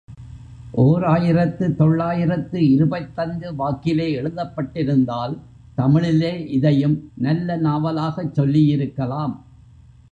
ஓர் ஆயிரத்து தொள்ளாயிரத்து இருபத்தைந்து வாக்கிலே எழுதப்பட்டிருந்தால், தமிழிலே இதையும் நல்ல நாவலாகச் சொல்லியிருக்கலாம்.